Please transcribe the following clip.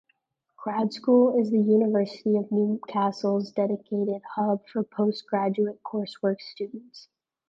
GradSchool is the University of Newcastle's dedicated hub for postgraduate coursework students.